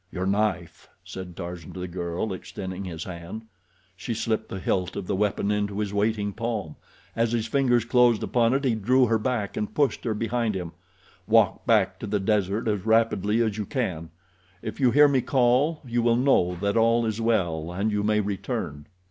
"Your knife," said Tarzan to the girl, extending his hand. She slipped the hilt of the weapon into his waiting palm. As his fingers closed upon it he drew her back and pushed her behind him. "Walk back to the desert as rapidly as you can. If you hear me call you will know that all is well, and you may return."